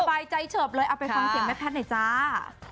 สบายใจเฉิบเลยเอาไปฟังเสียงแม่แพทย์หน่อยจ้า